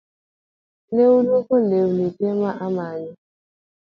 Ne aluoko leuni tee ma amoyo